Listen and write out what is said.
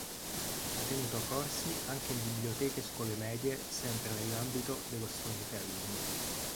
Ha tenuto corsi anche in biblioteche e scuole medie sempre nell'ambito dello storytelling.